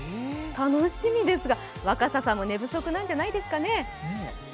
楽しみですが、若狭さんも寝不足なんじゃないですかね？